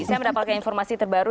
saya mendapatkan informasi terbaru